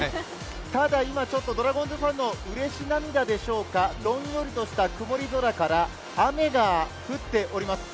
ただ今ちょっとドラゴンズファンのうれし涙でしょうか、どんよりとした曇り空から雨が降っております。